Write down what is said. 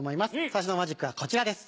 最初のマジックはこちらです。